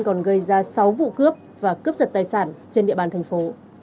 còn gây ra sáu vụ cướp và cướp giật tài sản trên địa bàn thành phố